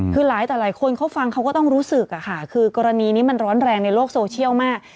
คือหลายต่อหลายคนเขาฟังเขาก็ต้องรู้สึกอะค่ะคือกรณีนี้มันร้อนแรงในโลกโซเชียลมาก